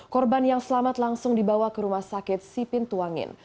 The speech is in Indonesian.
korban yang selamat langsung dibawa ke rumah sakit sipin tuangin